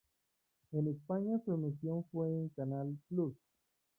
En España su emisión fue en Canal Plus.